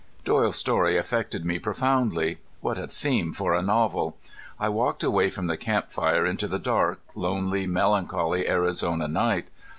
Doyle's story affected me profoundly. What a theme for a novel! I walked away from the camp fire into the dark, lonely, melancholy Arizona night.